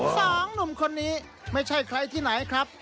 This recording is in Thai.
สองหนุ่มคนนี้ไม่ใช่ใครที่ไหนครับ